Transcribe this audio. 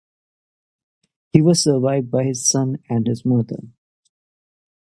He was survived by his son and his mother.